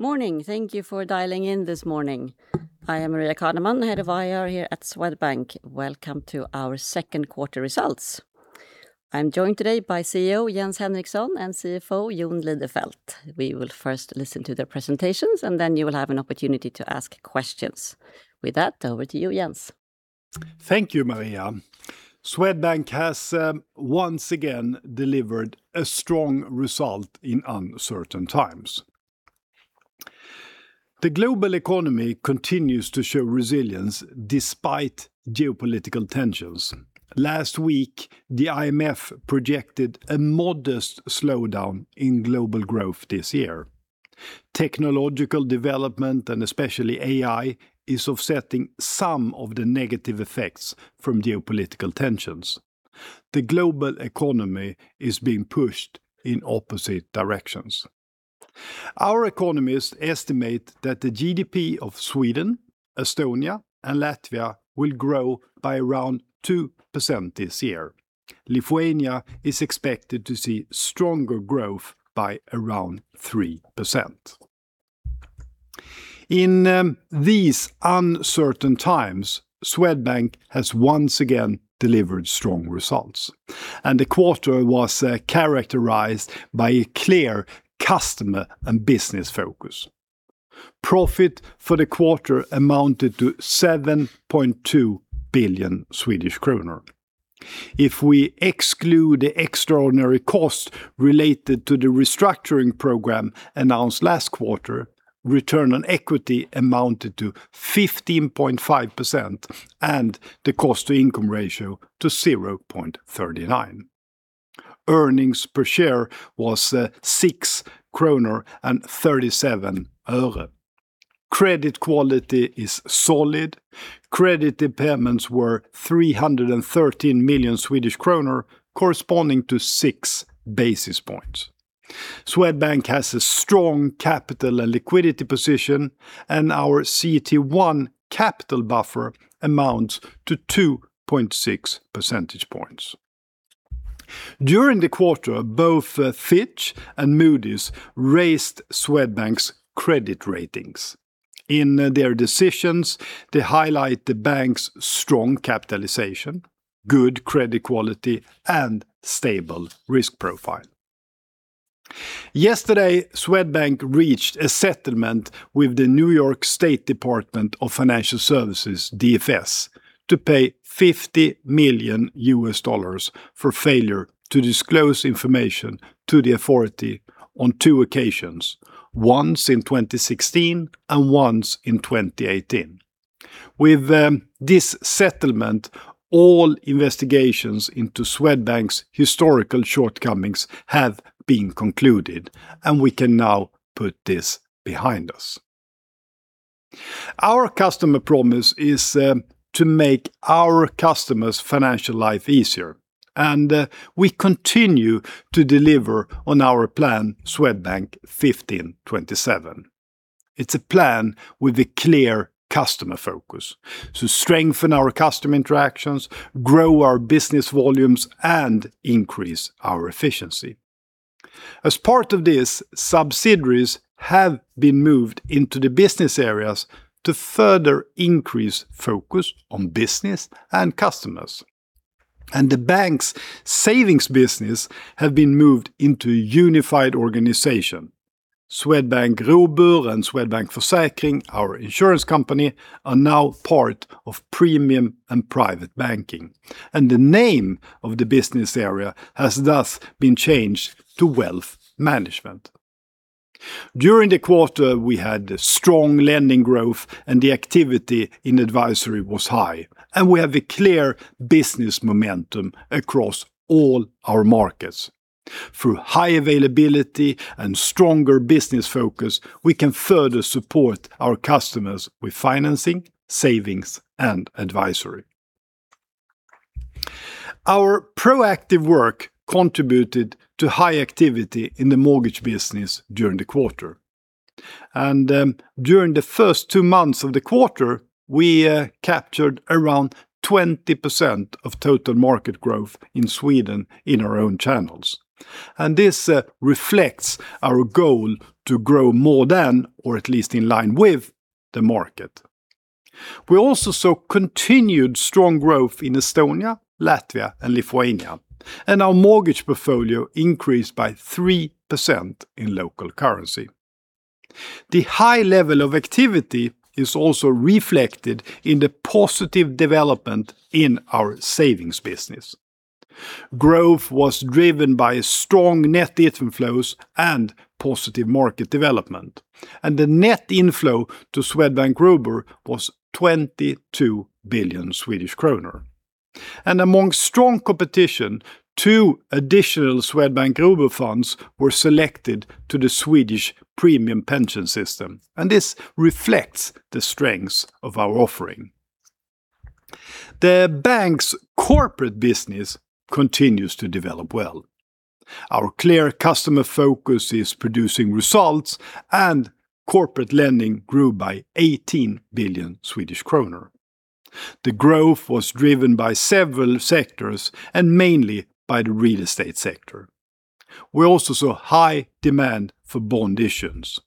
Morning. Thank you for dialing in this morning. I am Maria Caneman, Head of IR here at Swedbank. Welcome to our second quarter results. I'm joined today by CEO Jens Henriksson and CFO Jon Lidefelt. We will first listen to their presentations, and then you will have an opportunity to ask questions. With that, over to you, Jens. Thank you, Maria. Swedbank has once again delivered a strong result in uncertain times. The global economy continues to show resilience despite geopolitical tensions. Last week, the IMF projected a modest slowdown in global growth this year. Technological development, especially AI, is offsetting some of the negative effects from geopolitical tensions. The global economy is being pushed in opposite directions. Our economists estimate that the GDP of Sweden, Estonia, and Latvia will grow by around 2% this year. Lithuania is expected to see stronger growth by around 3%. In these uncertain times, Swedbank has once again delivered strong results, the quarter was characterized by a clear customer and business focus. Profit for the quarter amounted to 7.2 billion Swedish kronor. If we exclude the extraordinary cost related to the restructuring program announced last quarter, return on equity amounted to 15.5% and the cost-to-income ratio to 0.39. Earnings per share was SEK 6.37. Credit quality is solid. Credit impairments were 313 million Swedish kronor, corresponding to six basis points. Swedbank has a strong capital and liquidity position, our CET1 capital buffer amounts to 2.6 percentage points. During the quarter, both Fitch and Moody's raised Swedbank's credit ratings. In their decisions, they highlight the bank's strong capitalization, good credit quality, and stable risk profile. Yesterday, Swedbank reached a settlement with the New York State Department of Financial Services, DFS, to pay $50 million for failure to disclose information to the authority on two occasions, once in 2016 and once in 2018. With this settlement, all investigations into Swedbank's historical shortcomings have been concluded, we can now put this behind us. Our customer promise is to make our customers' financial life easier, we continue to deliver on our plan, Swedbank 15/27. It's a plan with a clear customer focus to strengthen our customer interactions, grow our business volumes, and increase our efficiency. As part of this, subsidiaries have been moved into the business areas to further increase focus on business and customers. The bank's savings business have been moved into a unified organization. Swedbank Robur and Swedbank Försäkring, our insurance company, are now part of premium and private banking, the name of the business area has thus been changed to Wealth Management. During the quarter, we had strong lending growth, the activity in advisory was high. We have a clear business momentum across all our markets. Through high availability and stronger business focus, we can further support our customers with financing, savings, and advisory. Our proactive work contributed to high activity in the mortgage business during the quarter. During the first two months of the quarter, we captured around 20% of total market growth in Sweden in our own channels. This reflects our goal to grow more than, or at least in line with, the market. We also saw continued strong growth in Estonia, Latvia, and Lithuania, and our mortgage portfolio increased by 3% in local currency. The high level of activity is also reflected in the positive development in our savings business. Growth was driven by strong net inflows and positive market development, the net inflow to Swedbank Robur was 22 billion Swedish kronor. Among strong competition, two additional Swedbank Robur funds were selected to the Swedish premium pension system. This reflects the strengths of our offering. The bank's corporate business continues to develop well. Our clear customer focus is producing results, corporate lending grew by 18 billion Swedish kronor. The growth was driven by several sectors and mainly by the real estate sector. We also saw high demand for bond issues.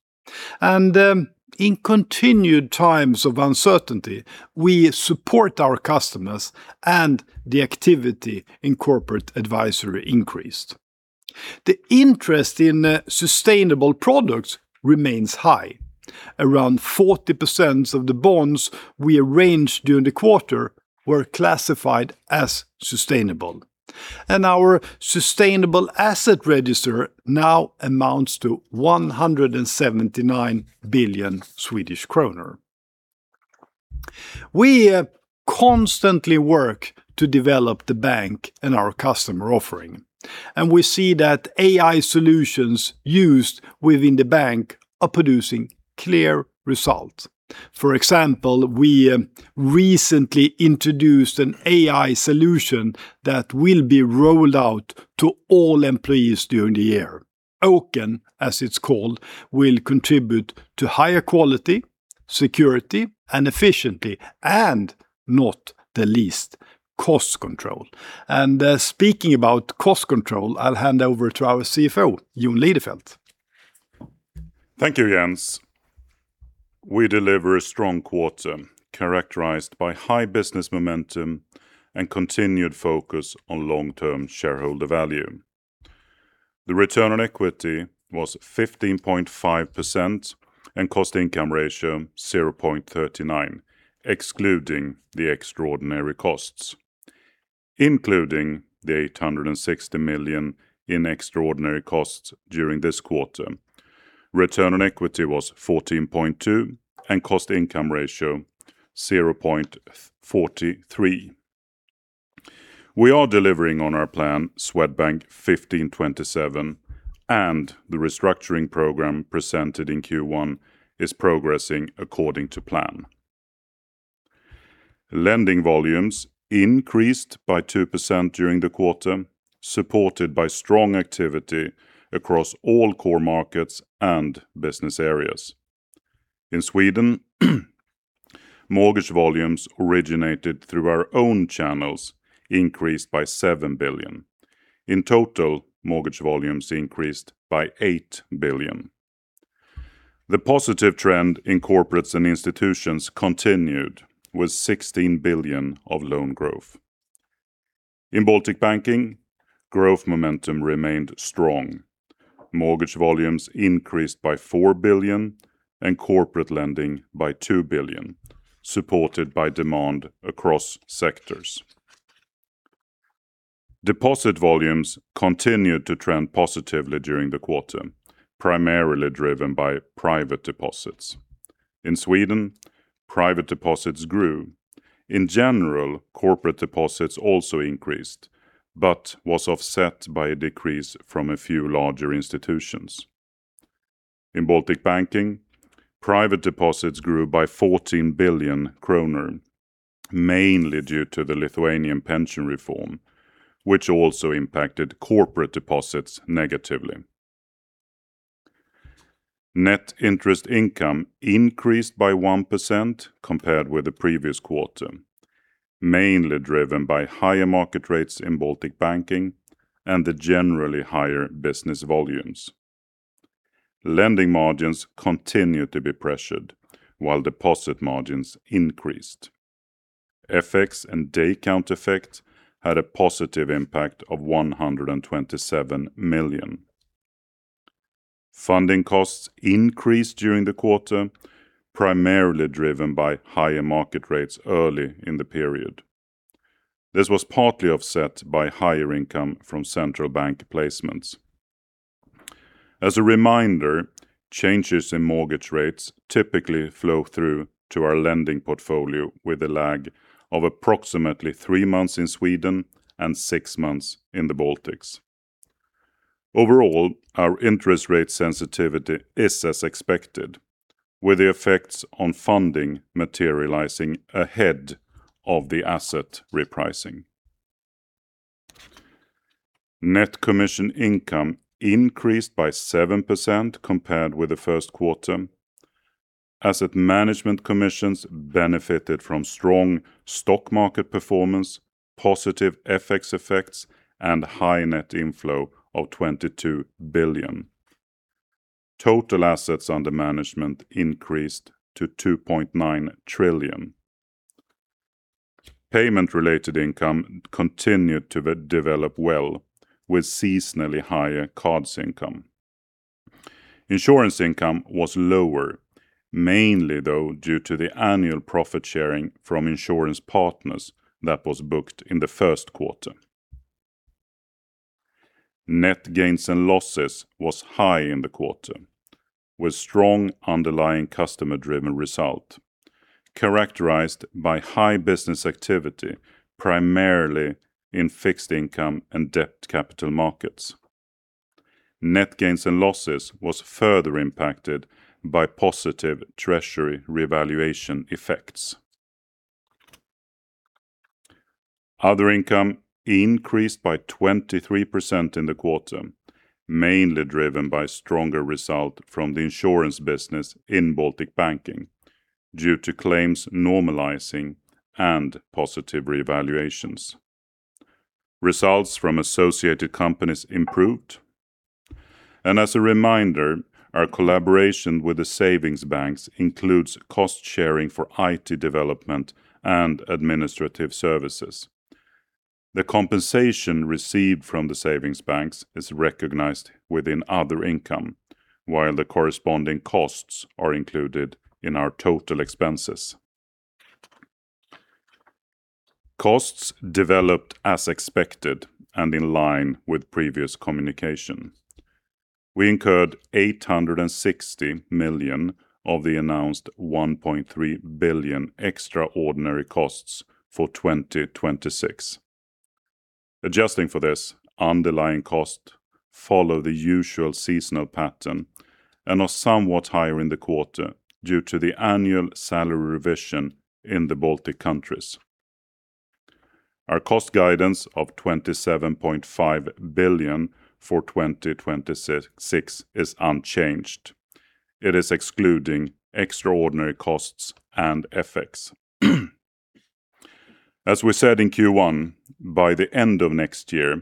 In continued times of uncertainty, we support our customers and the activity in corporate advisory increased. The interest in sustainable products remains high. Around 40% of the bonds we arranged during the quarter were classified as sustainable, and our sustainable asset register now amounts to 179 billion Swedish kronor. We constantly work to develop the bank and our customer offering, and we see that AI solutions used within the bank are producing clear results. For example, we recently introduced an AI solution that will be rolled out to all employees during the year. Oken, as it's called, will contribute to higher quality, security and efficiency, and not the least, cost control. Speaking about cost control, I'll hand over to our CFO, Jon Lidefelt. Thank you, Jens. We deliver a strong quarter characterized by high business momentum and continued focus on long-term shareholder value. The return on equity was 15.5% and cost income ratio 0.39, excluding the extraordinary costs. Including the 860 million in extraordinary costs during this quarter, return on equity was 14.2% and cost income ratio 0.43. We are delivering on our plan Swedbank 15/27, and the restructuring program presented in Q1 is progressing according to plan. Lending volumes increased by 2% during the quarter, supported by strong activity across all core markets and business areas. In Sweden, mortgage volumes originated through our own channels increased by 7 billion. In total, mortgage volumes increased by 8 billion. The positive trend in corporates and institutions continued with 16 billion of loan growth. In Baltic Banking, growth momentum remained strong. Mortgage volumes increased by 4 billion and corporate lending by 2 billion, supported by demand across sectors. Deposit volumes continued to trend positively during the quarter, primarily driven by private deposits. In Sweden, private deposits grew. In general, corporate deposits also increased but was offset by a decrease from a few larger institutions. In Baltic Banking, private deposits grew by 14 billion kronor, mainly due to the Lithuanian pension reform, which also impacted corporate deposits negatively. Net interest income increased by 1% compared with the previous quarter, mainly driven by higher market rates in Baltic Banking and the generally higher business volumes. Lending margins continued to be pressured while deposit margins increased. FX and day count effect had a positive impact of 127 million. Funding costs increased during the quarter, primarily driven by higher market rates early in the period. This was partly offset by higher income from central bank placements. As a reminder, changes in mortgage rates typically flow through to our lending portfolio with a lag of approximately three months in Sweden and six months in the Baltics. Overall, our interest rate sensitivity is as expected, with the effects on funding materializing ahead of the asset repricing. Net commission income increased by 7% compared with the first quarter. Asset management commissions benefited from strong stock market performance, positive FX effects, and high net inflow of 22 billion. Total assets under management increased to 2.9 trillion. Payment-related income continued to develop well with seasonally higher cards income. Insurance income was lower, mainly though due to the annual profit sharing from insurance partners that was booked in the first quarter. Net gains and losses was high in the quarter with strong underlying customer-driven result characterized by high business activity, primarily in fixed income and debt capital markets. Net gains and losses was further impacted by positive treasury revaluation effects. Other income increased by 23% in the quarter, mainly driven by stronger result from the insurance business in Baltic Banking due to claims normalizing and positive revaluations. Results from associated companies improved. As a reminder, our collaboration with the savings banks includes cost-sharing for IT development and administrative services. The compensation received from the savings banks is recognized within other income, while the corresponding costs are included in our total expenses. Costs developed as expected and in line with previous communication. We incurred 860 million of the announced 1.3 billion extraordinary costs for 2026. Adjusting for this, underlying costs follow the usual seasonal pattern and are somewhat higher in the quarter due to the annual salary revision in the Baltic countries. Our cost guidance of 27.5 billion for 2026 is unchanged. It is excluding extraordinary costs and FX. As we said in Q1, by the end of next year,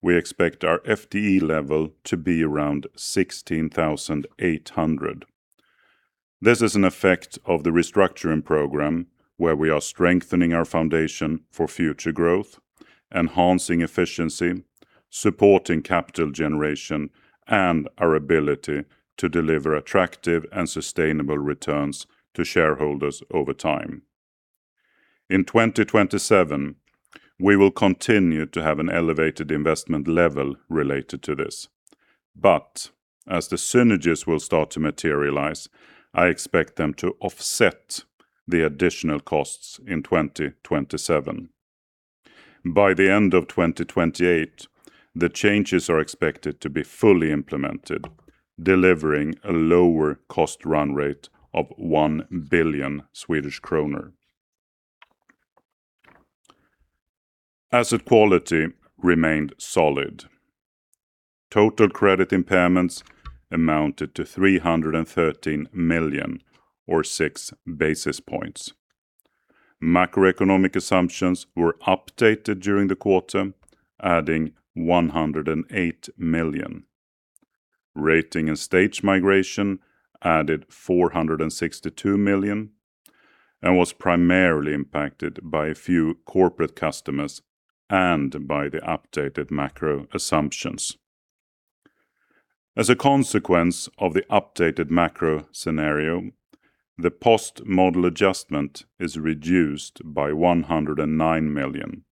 we expect our FTE level to be around 16,800. This is an effect of the restructuring program where we are strengthening our foundation for future growth, enhancing efficiency, supporting capital generation, and our ability to deliver attractive and sustainable returns to shareholders over time. In 2027, we will continue to have an elevated investment level related to this. As the synergies will start to materialize, I expect them to offset the additional costs in 2027. By the end of 2028, the changes are expected to be fully implemented, delivering a lower cost run rate of 1 billion Swedish kronor. Asset quality remained solid. Total credit impairments amounted to 313 million or 6 basis points. Macroeconomic assumptions were updated during the quarter, adding 108 million. Rating and stage migration added 462 million and was primarily impacted by a few corporate customers and by the updated macro assumptions. As a consequence of the updated macro scenario, the post-model adjustment is reduced by 109 million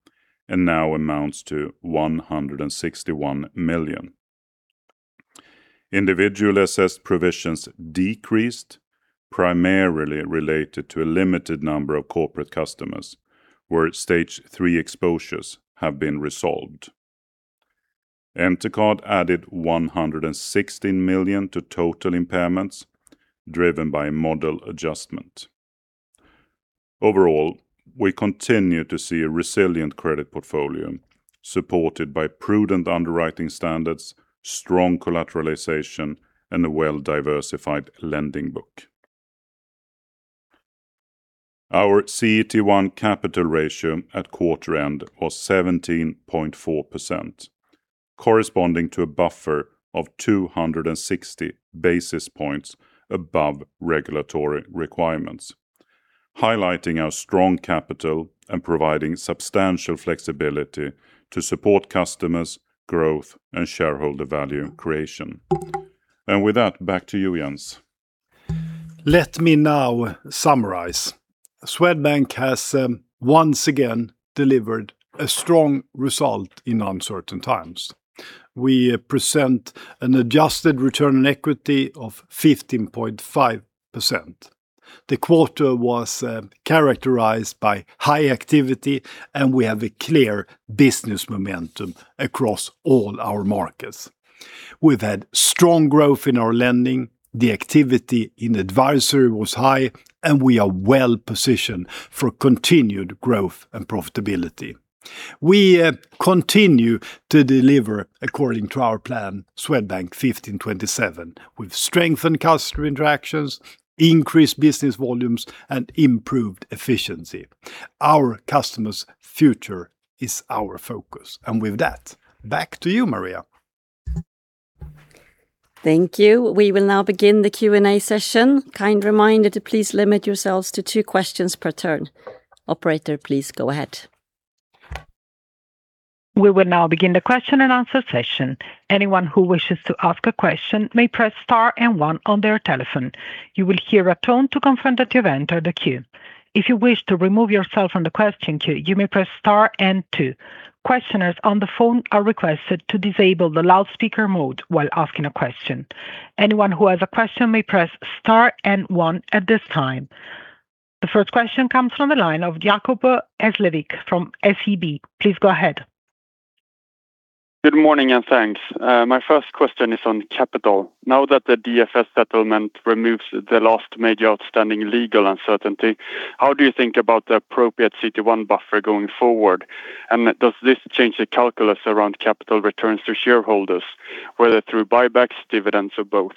and now amounts to 161 million. Individually assessed provisions decreased primarily related to a limited number of corporate customers, where stage 3 exposures have been resolved. Entercard added 116 million to total impairments driven by model adjustment. Overall, we continue to see a resilient credit portfolio supported by prudent underwriting standards, strong collateralization, and a well-diversified lending book. Our CET1 capital ratio at quarter end was 17.4%, corresponding to a buffer of 260 basis points above regulatory requirements, highlighting our strong capital and providing substantial flexibility to support customers, growth, and shareholder value creation. With that, back to you, Jens. Let me now summarize. Swedbank has once again delivered a strong result in uncertain times. We present an adjusted return on equity of 15.5%. The quarter was characterized by high activity, and we have a clear business momentum across all our markets. We've had strong growth in our lending. The activity in advisory was high, and we are well-positioned for continued growth and profitability. We continue to deliver according to our plan, Swedbank 15/27, with strengthened customer interactions, increased business volumes, and improved efficiency. Our customers' future is our focus. With that, back to you, Maria. Thank you. We will now begin the Q&A session. Kind reminder to please limit yourselves to two questions per turn. Operator, please go ahead. We will now begin the question and answer session. Anyone who wishes to ask a question may press star and one on their telephone. You will hear a tone to confirm that you have entered the queue. If you wish to remove yourself from the question queue, you may press star and two. Questioners on the phone are requested to disable the loudspeaker mode while asking a question. Anyone who has a question may press star and one at this time. The first question comes from the line of Jacob Egelev from SEB Equities. Please go ahead. Good morning and thanks. My first question is on capital. Now that the DFS settlement removes the last major outstanding legal uncertainty, how do you think about the appropriate CET1 buffer going forward? Does this change the calculus around capital returns to shareholders, whether through buybacks, dividends, or both?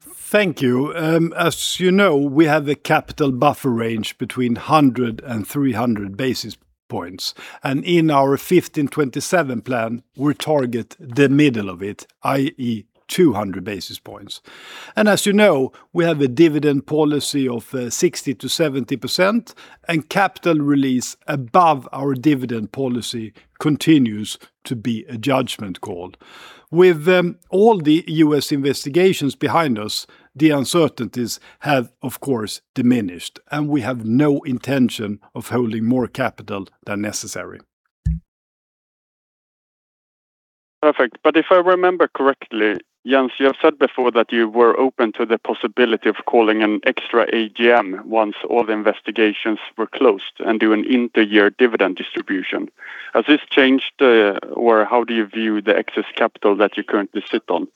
Thank you. As you know, we have a capital buffer range between 100 and 300 basis points. In our 15/27 plan, we target the middle of it, i.e., 200 basis points. As you know, we have a dividend policy of 60%-70%, and capital release above our dividend policy continues to be a judgment call. With all the U.S. investigations behind us, the uncertainties have, of course, diminished, and we have no intention of holding more capital than necessary. Perfect. If I remember correctly, Jens, you have said before that you were open to the possibility of calling an extra AGM once all the investigations were closed and do an inter-year dividend distribution. Has this changed, or how do you view the excess capital that you currently sit on?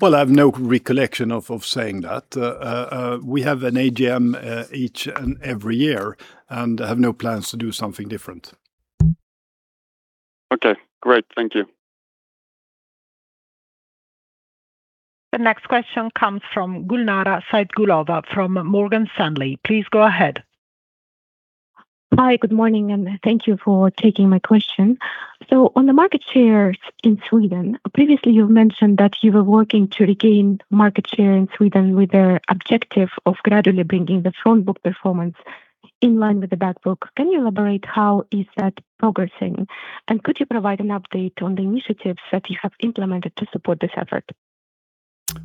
Well, I have no recollection of saying that. We have an AGM each and every year and have no plans to do something different. Okay, great. Thank you. The next question comes from Gulnara Saitkulova from Morgan Stanley. Please go ahead. Hi, good morning and thank you for taking my question. On the market shares in Sweden, previously you've mentioned that you were working to regain market share in Sweden with the objective of gradually bringing the front book performance in line with the back book. Can you elaborate how is that progressing? Could you provide an update on the initiatives that you have implemented to support this effort?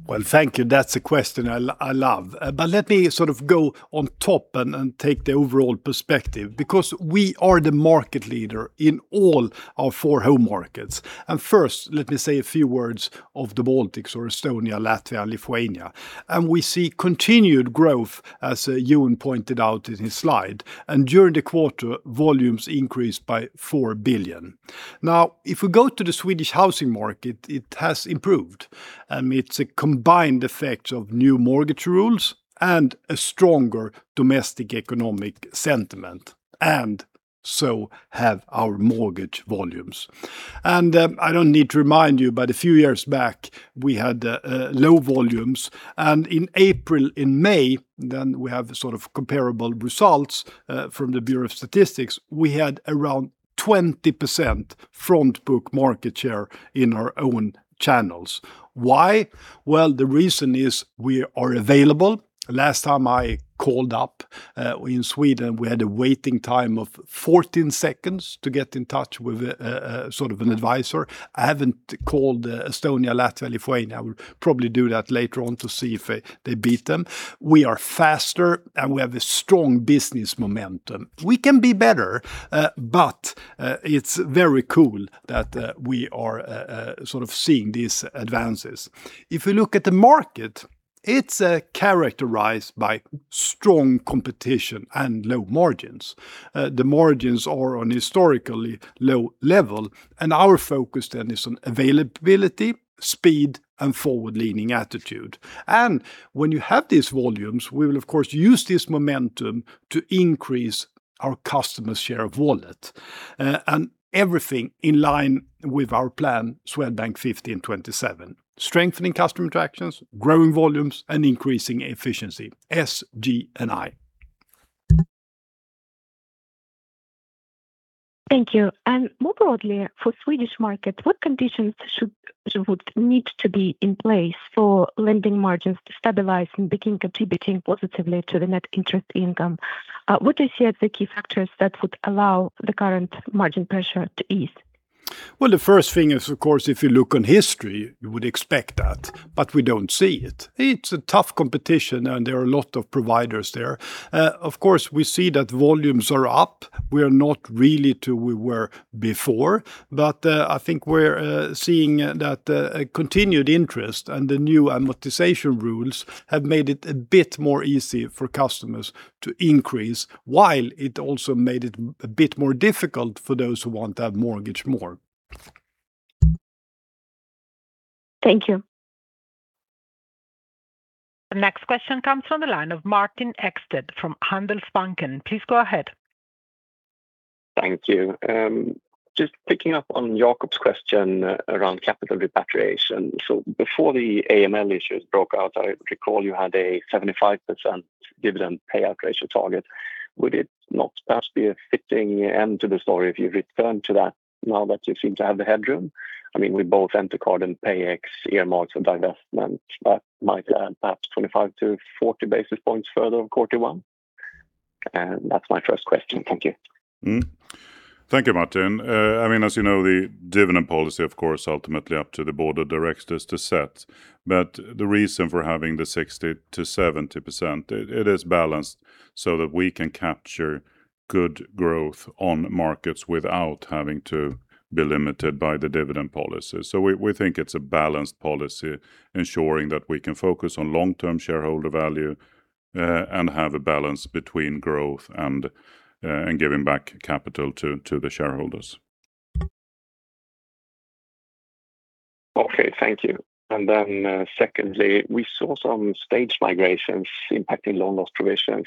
Well, thank you. That's a question I love. Let me sort of go on top and take the overall perspective because we are the market leader in all our four home markets. First, let me say a few words of the Baltics or Estonia, Latvia, and Lithuania. We see continued growth, as Jon pointed out in his slide. During the quarter, volumes increased by 4 billion. If we go to the Swedish housing market, it has improved. It's a combined effect of new mortgage rules and a stronger domestic economic sentiment, and so have our mortgage volumes. I don't need to remind you, but a few years back, we had low volumes. In April, in May, then we have sort of comparable results from Statistics Sweden, we had around 20% front book market share in our own channels. Why? Well, the reason is we are available. Last time I called up in Sweden, we had a waiting time of 14 seconds to get in touch with an advisor. I haven't called Estonia, Latvia, Lithuania. I will probably do that later on to see if they beat them. We are faster. We have a strong business momentum. We can be better, but it's very cool that we are sort of seeing these advances. If you look at the market, it's characterized by strong competition and low margins. The margins are on historically low level. Our focus then is on availability, speed, and forward-leaning attitude. When you have these volumes, we will of course use this momentum to increase our customer share of wallet. Everything in line with our plan, Swedbank 15/27. Strengthening customer interactions, growing volumes, and increasing efficiency, S, G, and I. Thank you. More broadly, for Swedish markets, what conditions would need to be in place for lending margins to stabilize and begin contributing positively to the net interest income? What do you see as the key factors that would allow the current margin pressure to ease? Well, the first thing is, of course, if you look on history, you would expect that, but we don't see it. It's a tough competition. There are a lot of providers there. Of course, we see that volumes are up. We are not really to where we were before, but I think we're seeing that a continued interest and the new amortization rules have made it a bit more easy for customers to increase, while it also made it a bit more difficult for those who want to have mortgage more. Thank you. The next question comes on the line of Martin Ekstedt from Handelsbanken Capital Markets. Please go ahead. Thank you. Just picking up on Jacob's question around capital repatriation. Before the AML issues broke out, I recall you had a 75% dividend payout ratio target. Would it not perhaps be a fitting end to the story if you return to that now that you seem to have the headroom? With both Entercard and PayEx earmarked for divestment, that might add perhaps 25 to 40 basis points further on CET1. That's my first question. Thank you. Thank you, Martin. As you know, the dividend policy, of course, ultimately up to the board of directors to set. The reason for having the 60%-70%, it is balanced so that we can capture good growth on markets without having to be limited by the dividend policy. We think it's a balanced policy ensuring that we can focus on long-term shareholder value and have a balance between growth and giving back capital to the shareholders. Okay, thank you. Then secondly, we saw some stage migrations impacting loan loss provisions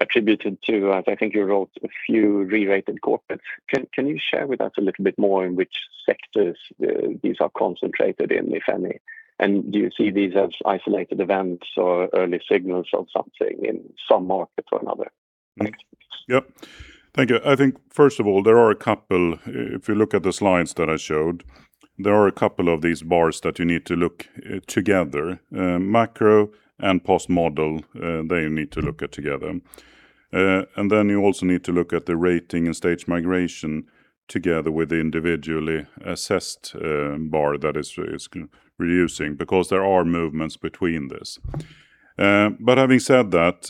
attributed to, I think you wrote a few re-rated corporates. Can you share with us a little bit more in which sectors these are concentrated in, if any? Do you see these as isolated events or early signals of something in some market or another? Thanks. Yes. Thank you. I think first of all, if you look at the slides that I showed, there are a couple of these bars that you need to look together. Macro and post-model, they need to look at together. Then you also need to look at the rating and stage migration together with individually assessed bar that is reducing because there are movements between this. Having said that,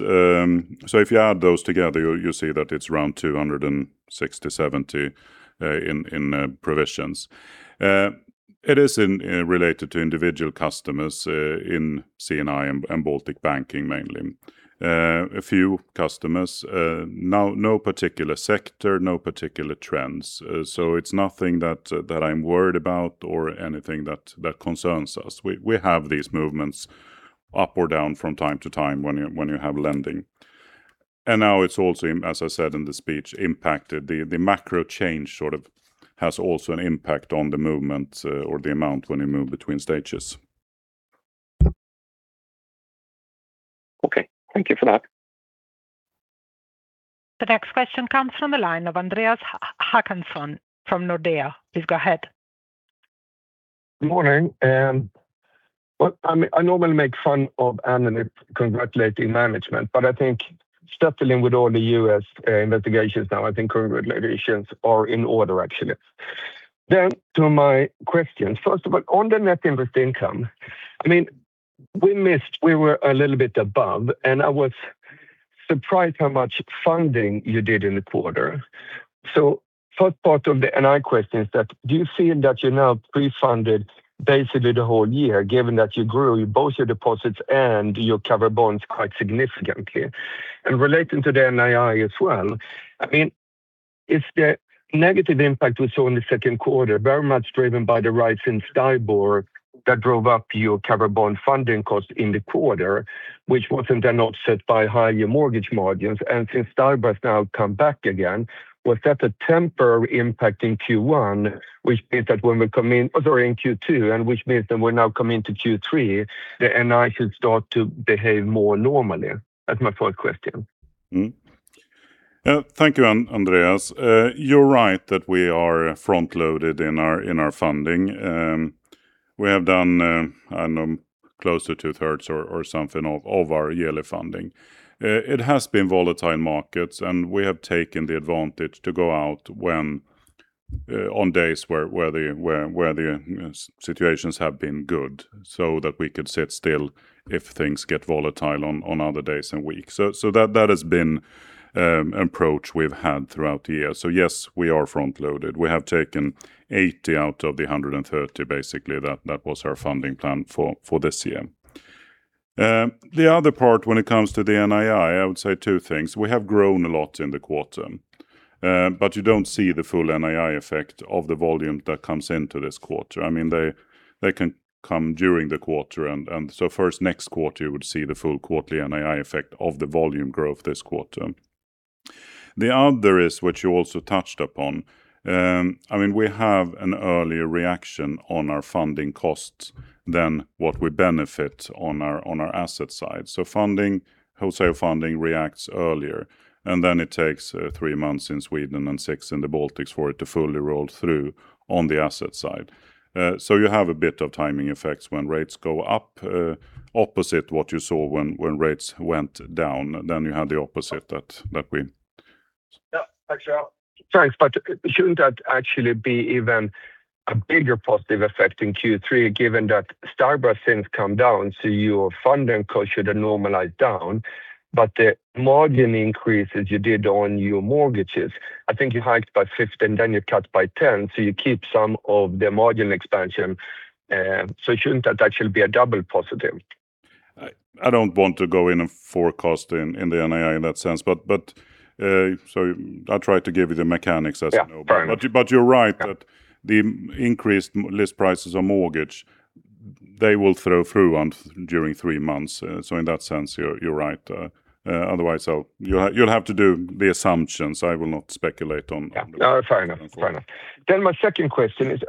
if you add those together, you'll see that it's around 260, 270 in provisions. It is related to individual customers in C&I and Baltic Banking mainly. A few customers, no particular sector, no particular trends. It's nothing that I'm worried about or anything that concerns us. We have these movements up or down from time to time when you have lending. Now it's also, as I said in the speech, impacted the macro change sort of has also an impact on the movement or the amount when you move between stages. Okay. Thank you for that. The next question comes from the line of Andreas Håkansson from Nordea Markets. Please go ahead. Good morning. Well, I normally make fun of analysts congratulating management, but I think juggling with all the U.S. investigations now, I think congratulations are in order, actually. To my questions, first of all, on the net interest income, we were a little bit above, and I was surprised how much funding you did in the quarter. So first part of the NII question is that do you feel that you're now pre-funded basically the whole year, given that you grew both your deposits and your cover bonds quite significantly? Relating to the NII as well, is the negative impact we saw in the second quarter very much driven by the rise in STIBOR that drove up your cover bond funding cost in the quarter, which wasn't then offset by higher mortgage margins. Since STIBOR has now come back again, was that a temporary impact in Q2, and which means that we are now coming to Q3, the NII should start to behave more normally? That is my first question. Thank you, Andreas. You're right that we are front-loaded in our funding. We have done closer to 2/3 or something of our yearly funding. It has been volatile markets, and we have taken the advantage to go out on days where the situations have been good so that we could sit still if things get volatile on other days and weeks. That has been approach we've had throughout the year. Yes, we are front-loaded. We have taken 80 out of the 130, basically, that was our funding plan for this year. The other part when it comes to the NII, I would say two things. We have grown a lot in the quarter. You don't see the full NII effect of the volume that comes into this quarter. They can come during the quarter, first, next quarter, you would see the full quarterly NII effect of the volume growth this quarter. The other is what you also touched upon. We have an earlier reaction on our funding costs than what we benefit on our asset side. Wholesale funding reacts earlier, and then it takes three months in Sweden and six in the Baltics for it to fully roll through on the asset side. You have a bit of timing effects when rates go up opposite what you saw when rates went down, then you had the opposite that we Yes. Thanks. Shouldn't that actually be even a bigger positive effect in Q3 given that STIBOR seems come down, your funding cost should have normalized down, but the margin increases you did on your mortgages, I think you hiked by 15, then you cut by 10, you keep some of the margin expansion. Shouldn't that actually be a double positive? I don't want to go in and forecast in the NII in that sense, I'll try to give you the mechanics as a note. Yes, fair enough. You're right that the increased list prices of mortgage, they will throw through during three months. In that sense, you're right. Otherwise, you'll have to do the assumptions. I will not speculate on. No, fair enough. My second question is,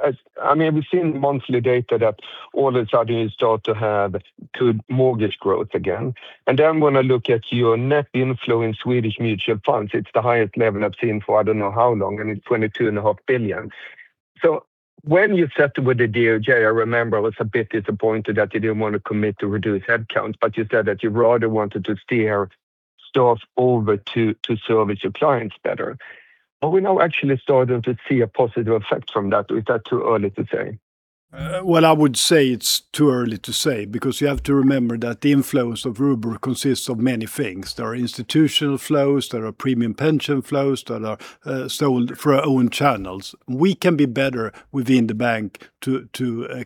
we've seen monthly data that all of a sudden you start to have good mortgage growth again. And when I look at your net inflow in Swedish mutual funds, it's the highest level I've seen for I don't know how long, and it's 22.5 billion. When you settled with the DOJ, I remember I was a bit disappointed that you didn't want to commit to reduce headcount, but you said that you rather wanted to steer staff over to service your clients better. Are we now actually starting to see a positive effect from that, or is that too early to say? Well, I would say it's too early to say because you have to remember that the inflows of Robur consists of many things. There are institutional flows, there are premium pension flows that are sold through our own channels. We can be better within the bank to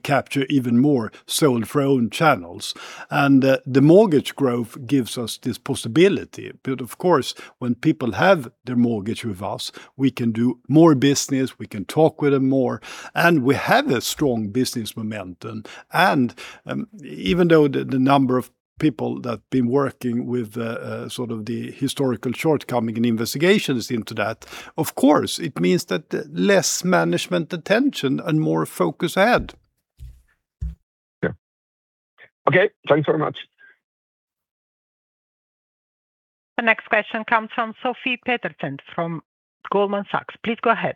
capture even more sold through our own channels. The mortgage growth gives us this possibility. Of course, when people have their mortgage with us, we can do more business, we can talk with them more, and we have a strong business momentum. Even though the number of people that have been working with sort of the historical shortcoming and investigations into that, of course, it means that less management attention and more focus ahead. Okay. Thanks very much. The next question comes from Sofie Peterzéns from Goldman Sachs. Please go ahead.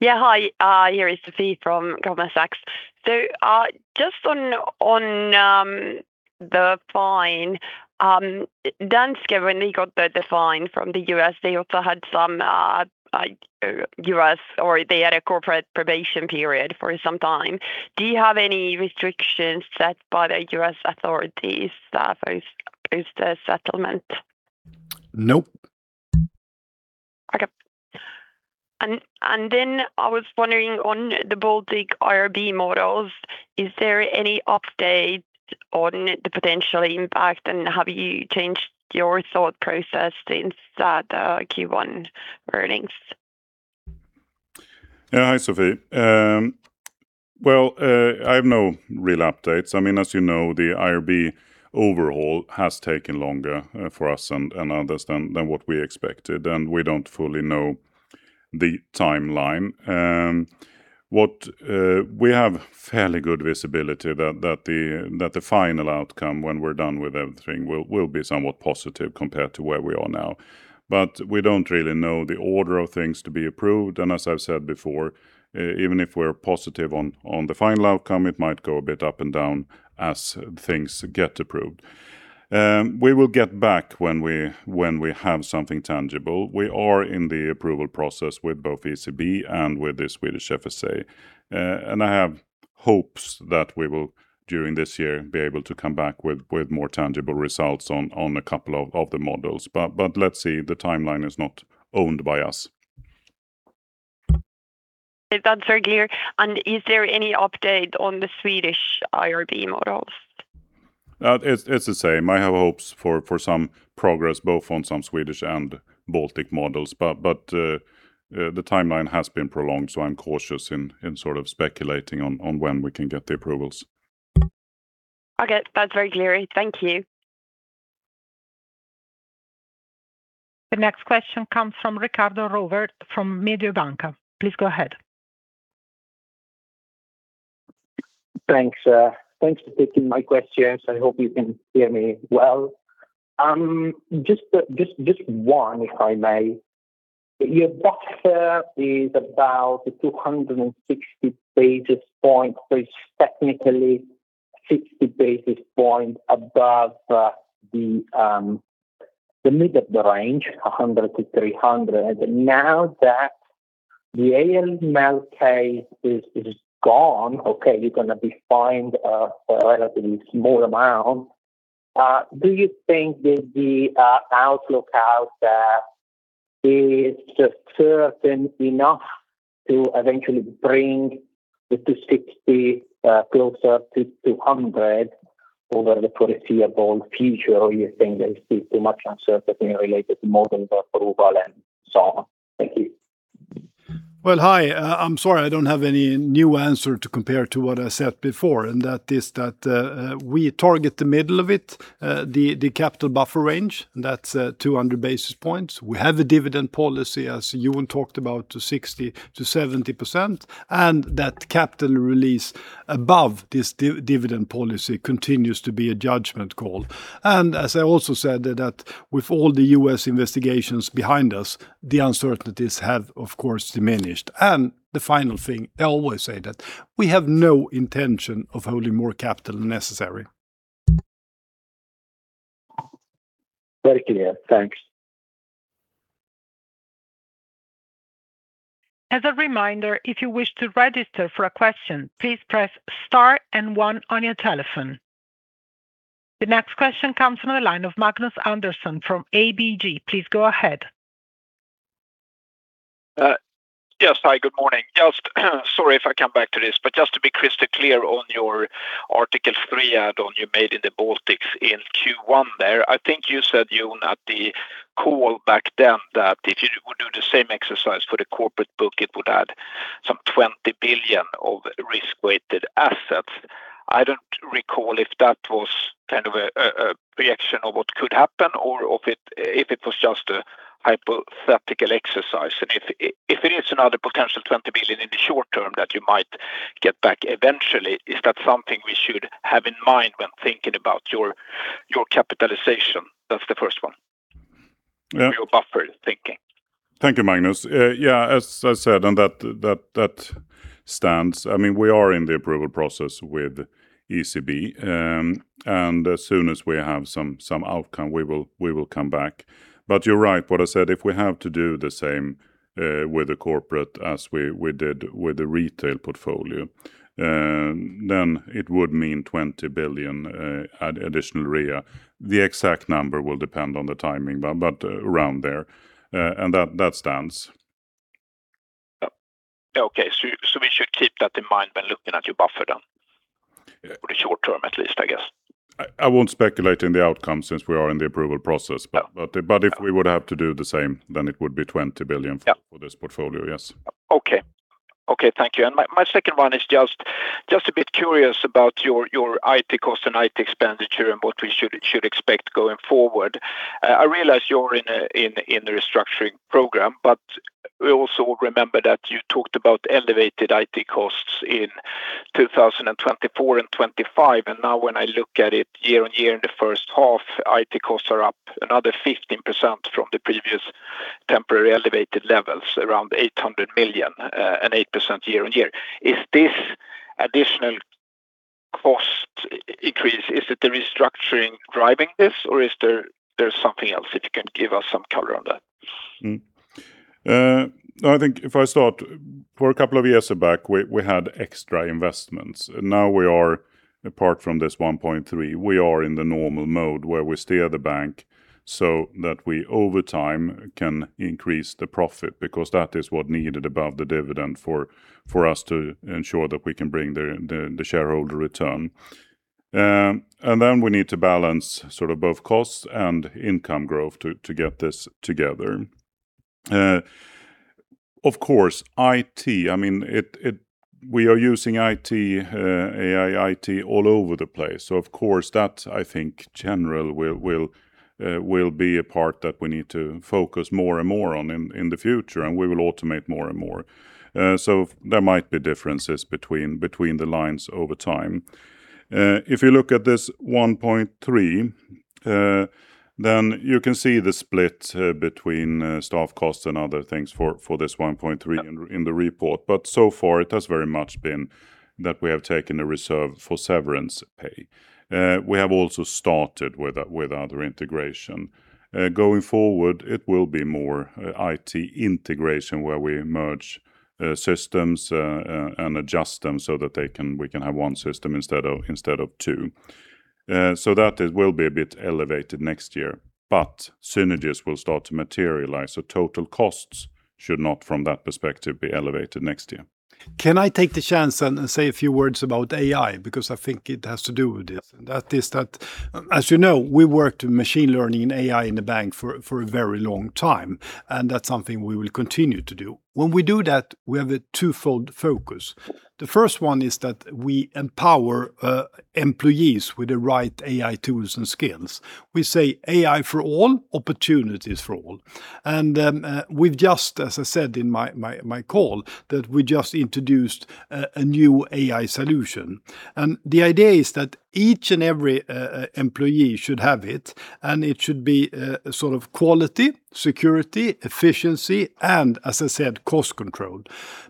Yeah. Hi, here is Sofie from Goldman Sachs. Just on the fine, Danske, when they got the fine from the U.S., they also had a corporate probation period for some time. Do you have any restrictions set by the U.S. authorities post the settlement? Nope. Okay. I was wondering on the Baltic IRB models, is there any update on the potential impact, and have you changed your thought process since the Q1 earnings? Yeah. Hi, Sofie. Well, I have no real updates. As you know, the IRB overhaul has taken longer for us and others than what we expected, and we don't fully know the timeline. We have fairly good visibility that the final outcome when we're done with everything will be somewhat positive compared to where we are now. We don't really know the order of things to be approved, and as I've said before, even if we're positive on the final outcome, it might go a bit up and down as things get approved. We will get back when we have something tangible. We are in the approval process with both ECB and with the Swedish FSA. I have hopes that we will, during this year, be able to come back with more tangible results on a couple of the models. Let's see. The timeline is not owned by us. That's very clear. Is there any update on the Swedish IRB models? It's the same. I have hopes for some progress, both on some Swedish and Baltic models. The timeline has been prolonged, I'm cautious in speculating on when we can get the approvals. Okay. That's very clear. Thank you. The next question comes from Riccardo Rovere from Mediobanca Securities. Please go ahead. Thanks for taking my questions. I hope you can hear me well. Just one, if I may. Your buffer is about 260 basis points, which technically 60 basis points above the mid of the range, 100 to 300 basis points. Now that the AML case is gone, okay, you're going to be fined a relatively small amount. Do you think that the outlook out there is certain enough to eventually bring the 260 basis points closer to 200 basis points over the foreseeable future? You think there is still too much uncertainty related to model approval and so on? Thank you. Well, hi. I'm sorry I don't have any new answer to compare to what I said before, that is that we target the middle of it, the capital buffer range, that is 200 basis points. We have a dividend policy, as Jon talked about, to 60%-70%, and that capital release above this dividend policy continues to be a judgment call. As I also said that with all the U.S. investigations behind us, the uncertainties have, of course, diminished. The final thing, I always say that we have no intention of holding more capital than necessary. Very clear. Thanks. As a reminder, if you wish to register for a question, please press star one on your telephone. The next question comes from the line of Magnus Andersson from ABG. Please go ahead. Yes. Hi, good morning. Sorry if I come back to this, just to be crystal clear on your Article 3 add on you made in the Baltics in Q1 there. I think you said, Jon, at the call back then that if you would do the same exercise for the corporate book, it would add some 20 billion of risk-weighted assets. I don't recall if that was kind of a reaction of what could happen or if it was just a hypothetical exercise. If it is another potential 20 billion in the short term that you might get back eventually, is that something we should have in mind when thinking about your capitalization? That's the first one. Yeah. Your buffer thinking. Thank you, Magnus. As I said, and that stands. We are in the approval process with ECB, and as soon as we have some outcome, we will come back. You are right. What I said, if we have to do the same with the corporate as we did with the retail portfolio, then it would mean 20 billion additional RWA. The exact number will depend on the timing, but around there. That stands. Okay. We should keep that in mind when looking at your buffer then. Yeah. For the short term at least, I guess. I won't speculate in the outcome since we are in the approval process. Yeah. If we would have to do the same, it would be 20 billion. Yeah for this portfolio. Yes. Okay. Thank you. My second one is just a bit curious about your IT cost and IT expenditure and what we should expect going forward. I realize you're in the restructuring program, we also remember that you talked about elevated IT costs in 2024 and 2025, now when I look at it year-on-year in the first half, IT costs are up another 15% from the previous temporary elevated levels, around 800 million and 8% year-on-year. Is this additional cost increase, is it the restructuring driving this, or is there something else? If you can give us some color on that. I think if I start, for a couple of years back, we had extra investments. Now we are, apart from 1.3 billion, we are in the normal mode where we steer the bank so that we, over time, can increase the profit because that is what's needed above the dividend for us to ensure that we can bring the shareholder return. We need to balance both costs and income growth to get this together. Of course, IT, we are using IT, AI IT all over the place. Of course that, I think, general will be a part that we need to focus more and more on in the future, and we will automate more and more. There might be differences between the lines over time. If you look at 1.3 billion, you can see the split between staff costs and other things for 1.3 billion in the report. So far, it has very much been that we have taken a reserve for severance pay. We have also started with other integration. Going forward, it will be more IT integration, where we merge systems and adjust them so that we can have one system instead of two. That will be a bit elevated next year, but synergies will start to materialize, total costs should not, from that perspective, be elevated next year. Can I take the chance and say a few words about AI? I think it has to do with this, and that is that, as you know, we worked in machine learning and AI in the bank for a very long time, and that's something we will continue to do. When we do that, we have a twofold focus. The first one is that we empower employees with the right AI tools and skills. We say AI for all, opportunities for all. We've just, as I said in my call, that we just introduced a new AI solution. The idea is that each and every employee should have it, and it should be quality, security, efficiency, and as I said, cost control.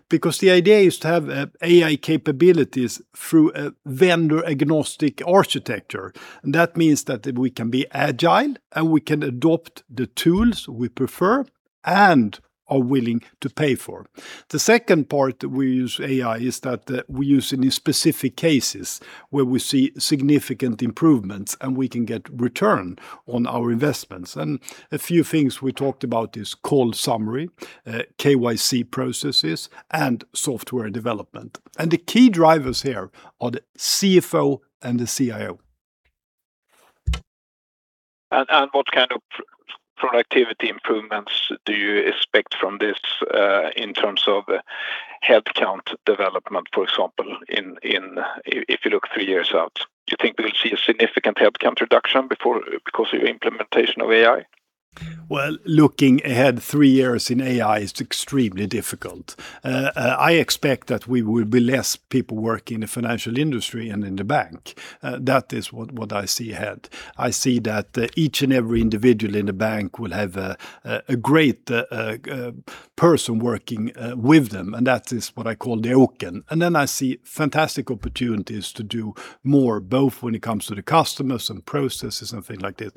The idea is to have AI capabilities through a vendor-agnostic architecture. That means that we can be agile, and we can adopt the tools we prefer and are willing to pay for. The second part we use AI is that we use it in specific cases where we see significant improvements, and we can get a return on our investments. A few things we talked about is call summary, KYC processes, and software development. The key drivers here are the CFO and the CIO. What kind of productivity improvements do you expect from this in terms of headcount development, for example, if you look three years out? Do you think we'll see a significant headcount reduction because of your implementation of AI? Well, looking ahead three years in AI is extremely difficult. I expect that there will be less people working in the financial industry and in the bank. That is what I see ahead. I see that each and every individual in the bank will have a great person working with them, and that is what I call the Oken. Then I see fantastic opportunities to do more, both when it comes to the customers and processes and things like this.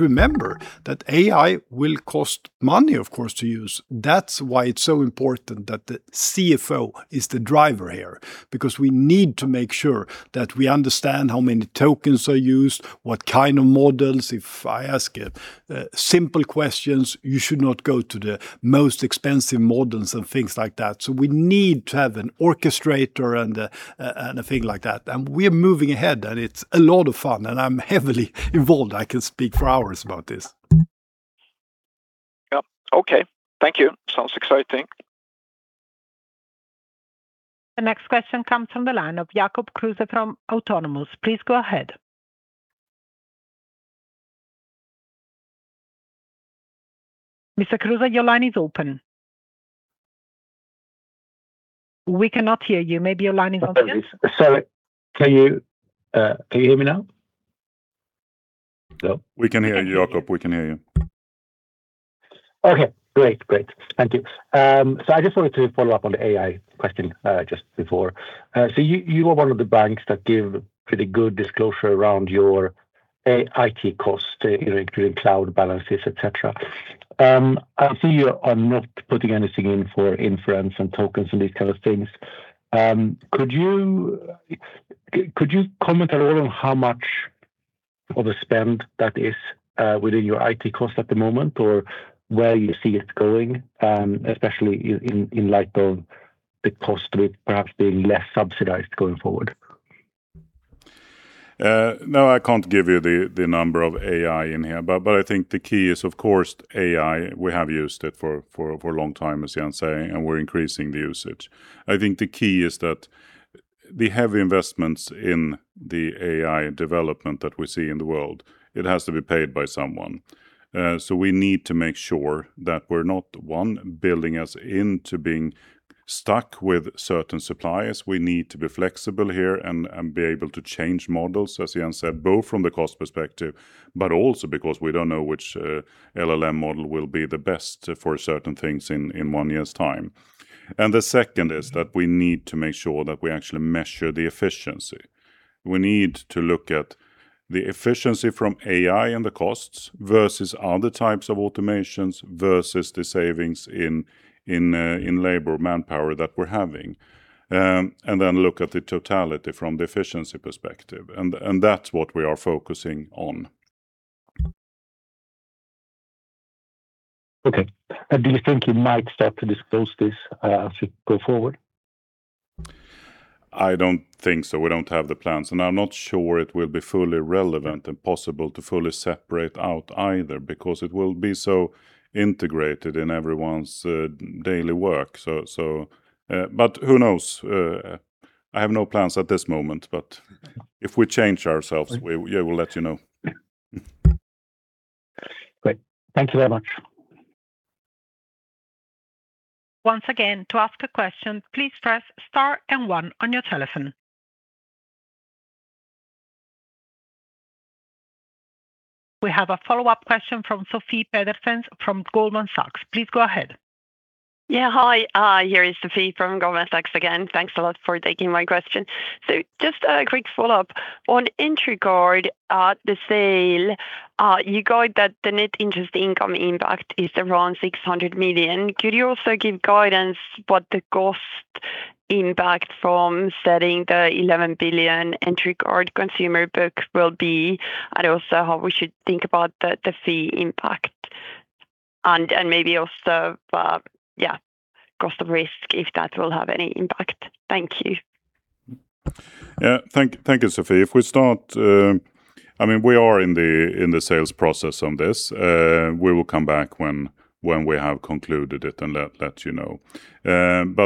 Remember that AI will cost money, of course, to use. That's why it's so important that the CFO is the driver here, because we need to make sure that we understand how many tokens are used, what kind of models. If I ask simple questions, you should not go to the most expensive models and things like that. We need to have an orchestrator and a thing like that. We are moving ahead, and it's a lot of fun, and I'm heavily involved. I can speak for hours about this. Yeah. Okay. Thank you. Sounds exciting. The next question comes from the line of Jacob Kruse from Autonomous Research. Please go ahead. Mr. Kruse, your line is open. We cannot hear you. Maybe your line is open. Sorry. Can you hear me now? We can hear you, Jacob. We can hear you. Okay, great. Thank you. I just wanted to follow up on the AI question just before. You are one of the banks that give pretty good disclosure around your IT costs, including cloud balances, et cetera. I see you are not putting anything in for inference and tokens and these kind of things. Could you comment at all on how much of a spend that is within your IT cost at the moment, or where you see it going, especially in light of the cost with perhaps being less subsidized going forward? No, I can't give you the number of AI in here, but I think the key is, of course, AI, we have used it for a long time, as Jon is saying, and we're increasing the usage. I think the key is that the heavy investments in the AI development that we see in the world, it has to be paid by someone. We need to make sure that we're not, one, building us into being stuck with certain suppliers. We need to be flexible here and be able to change models, as Jon said, both from the cost perspective, but also because we don't know which LLM model will be the best for certain things in one year's time. The second is that we need to make sure that we actually measure the efficiency. We need to look at the efficiency from AI and the costs versus other types of automations, versus the savings in labor, manpower that we're having. Then look at the totality from the efficiency perspective. That's what we are focusing on. Okay. Do you think you might start to disclose this as you go forward? I don't think so. We don't have the plans, I'm not sure it will be fully relevant and possible to fully separate out either, because it will be so integrated in everyone's daily work. Who knows? I have no plans at this moment, if we change ourselves, we will let you know. Great. Thank you very much. Once again, to ask a question, please press star and one on your telephone. We have a follow-up question from Sofie Peterzéns from Goldman Sachs. Please go ahead. Yeah. Hi, here is Sofie from Goldman Sachs again. Thanks a lot for taking my question. Just a quick follow-up. On Entercard, the sale, you guide that the net interest income impact is around 600 million. Could you also give guidance what the cost impact from setting the 11 billion Entercard consumer book will be? And also how we should think about the fee impact and maybe also, cost of risk, if that will have any impact. Thank you. Yeah. Thank you, Sofie. If we start, we are in the sales process on this. We will come back when we have concluded it and let you know.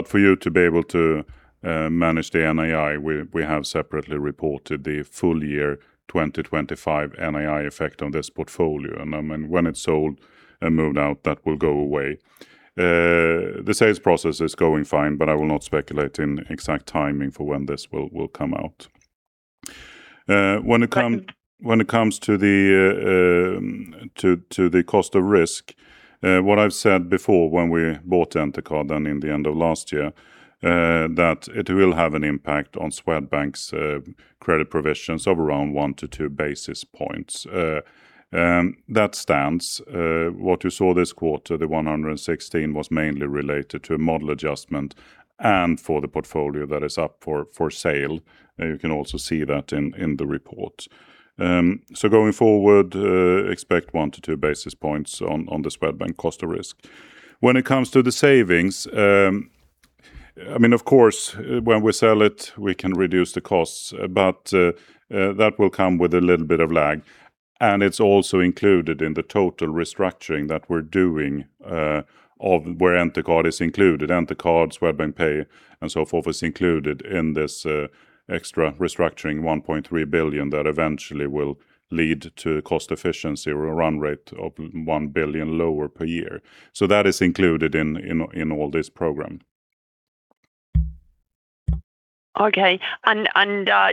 For you to be able to manage the NII, we have separately reported the full year 2025 NII effect on this portfolio. And when it's sold and moved out, that will go away. The sales process is going fine, but I will not speculate in exact timing for when this will come out. When it comes to the cost of risk, what I've said before when we bought Entercard in the end of last year, that it will have an impact on Swedbank's credit provisions of around one to two basis points. That stands. What you saw this quarter, the 116 million, was mainly related to a model adjustment and for the portfolio that is up for sale. You can also see that in the report. Going forward, expect one to two basis points on the Swedbank cost of risk. When it comes to the savings, of course, when we sell it, we can reduce the costs, but that will come with a little bit of lag, and it's also included in the total restructuring that we're doing, where Entercard is included. Entercard, Swedbank Pay, and so forth, is included in this extra restructuring, 1.3 billion, that eventually will lead to cost efficiency or a run rate of 1 billion lower per year. That is included in all this program. Okay.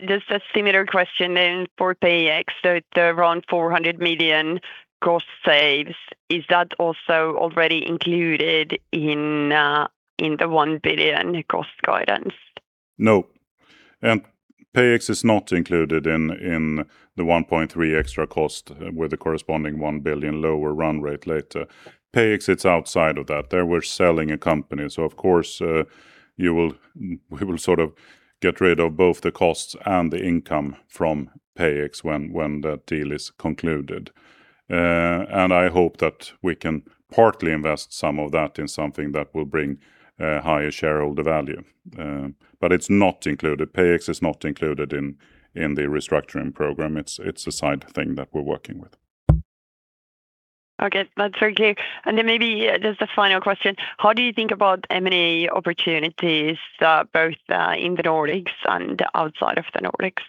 Just a similar question then for PayEx, it's around 400 million cost saves. Is that also already included in the 1 billion cost guidance? No. PayEx is not included in the 1.3 billion extra cost with the corresponding 1 billion lower run rate later. PayEx, it's outside of that. There we're selling a company, of course, we will get rid of both the costs and the income from PayEx when that deal is concluded. I hope that we can partly invest some of that in something that will bring higher shareholder value. It's not included. PayEx is not included in the restructuring program. It's a side thing that we're working with. Okay, that's very clear. Then maybe just a final question. How do you think about M&A opportunities, both in the Nordics and outside of the Nordics?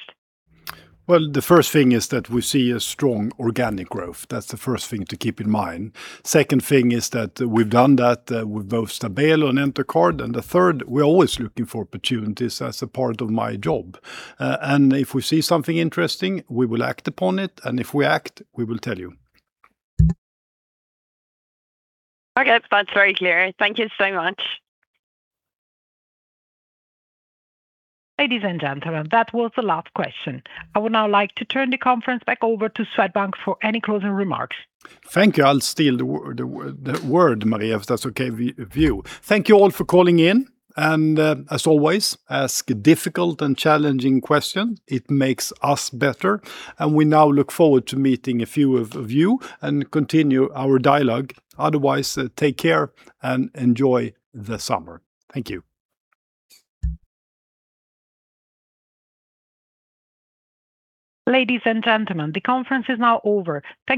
Well, the first thing is that we see a strong organic growth. That's the first thing to keep in mind. Second thing is that we've done that with both Stabelo and Entercard. The third, we're always looking for opportunities as a part of my job. If we see something interesting, we will act upon it. If we act, we will tell you. Okay. That's very clear. Thank you so much. Ladies and gentlemen, that was the last question. I would now like to turn the conference back over to Swedbank for any closing remarks. Thank you. I'll steal the word, Maria, if that's okay with you. Thank you all for calling in, and, as always, ask difficult and challenging questions. It makes us better. We now look forward to meeting a few of you and continue our dialogue. Otherwise, take care and enjoy the summer. Thank you. Ladies and gentlemen, the conference is now over. Thank you.